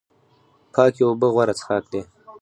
پاکې اوبه غوره څښاک دی